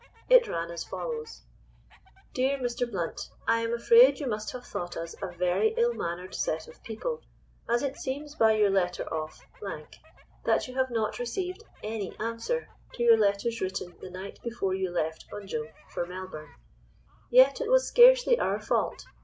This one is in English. It ran as follows:— "DEAR MR. BLOUNT,—I am afraid you must have thought us a very ill mannered set of people, as it seems by your letter of — that you have not received any answer to your letters written the night before you left Bunjil for Melbourne. Yet, it was scarcely our fault.